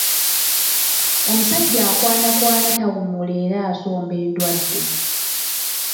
Omusajja akwanakwana tawummula era asomba endwadde.